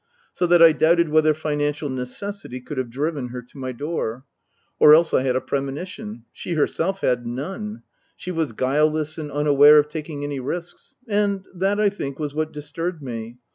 So that I doubted whether financial necessity could have driven her to my door. Or else I had a premonition. She herself had none. She was guileless and unaware of taking any risks. And that, I think, was what disturbed me.